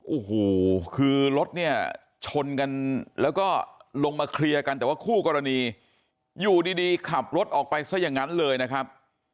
โอ้โหคือรถเนี่ยชนกันแล้วก็ลงมาเคลียร์กันแต่ว่าคู่กรณีอยู่ดีขับรถออกไปซะอย่างนั้นเลยนะครับ